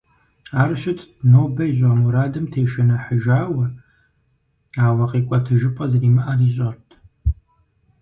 Ар щытт нобэ ищӏа мурадым тешыныхьыжауэ, ауэ къикӏуэтыжыпӏэ зэримыӏэри ищӏэрт.